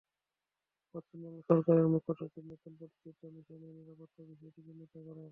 পশ্চিমবঙ্গ সরকারের মুখ্য সচিব নতুন প্রতিষ্ঠিত মিশনের নিরাপত্তার বিষয়টি নিশ্চিত করেন।